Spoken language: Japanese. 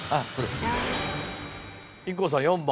ＩＫＫＯさん４番。